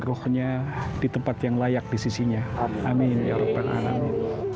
rohnya di tempat yang layak di sisinya amin ya rabb alami